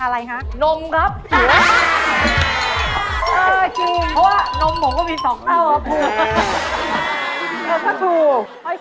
เขาก็ถูก